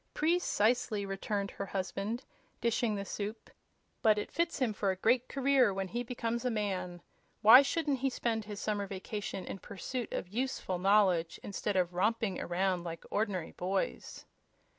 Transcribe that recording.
"Precisely," returned her husband, dishing the soup; "but it fits him for a great career when he becomes a man. Why shouldn't he spend his summer vacation in pursuit of useful knowledge instead of romping around like ordinary boys?"